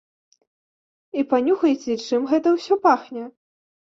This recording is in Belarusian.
І панюхайце, чым гэта ўсё пахне.